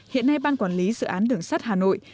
hiện nay ban quản lý dự án đường sắt hà nội